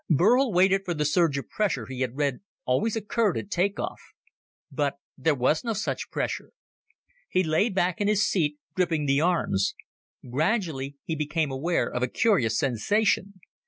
Burl waited for the surge of pressure he had read always occurred at take off. But there was no such pressure. He lay back in his seat, gripping the arms. Gradually he became aware of a curious sensation.